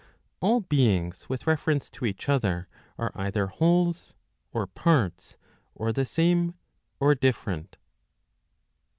All beings with reference to each other, are either wholes, or parts, or the same, or different.